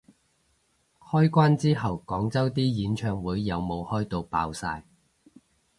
開關之後廣州啲演唱會有冇開到爆晒